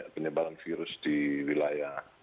penyebaran virus di wilayah